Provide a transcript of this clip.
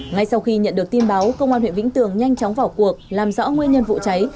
ngay sau khi nhận được tin báo công an huyện vĩnh tường nhanh chóng vào cuộc làm rõ nguyên nhân vụ cháy